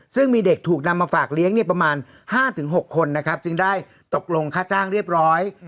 ซึ่งมีเด็กถูกนำมาฝากเลี้ยงประมาณ๕๖คนนะครับจึงได้ตกลงค่าจ้างเรียบร้อย